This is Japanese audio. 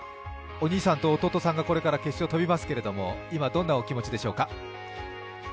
お兄さんと弟さんがこれから決勝飛びますけれども、今、どんなお気持ちでしょうか。